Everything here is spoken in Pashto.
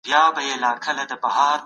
سالم ذهن بریالیتوب نه ځنډوي.